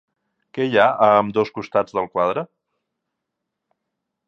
Què hi ha a ambdós costats del quadre?